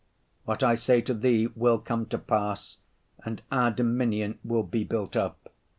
What I say to Thee will come to pass, and our dominion will be built up.